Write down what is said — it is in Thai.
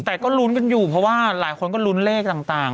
แต่ก็ลุ้นกันอยู่เพราะว่าหลายคนก็ลุ้นเลขต่าง